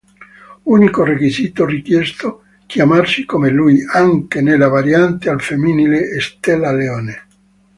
Unico requisito richiesto: chiamarsi come lui, anche nella variante al femminile Stella Leone.